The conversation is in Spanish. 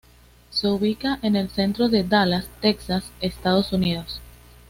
Se ubica en el centro de Dallas, Texas, Estados Unidos.